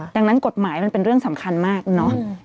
ดังนั้นกฎหมายมันเป็นเรื่องสำคัญมากเนอะ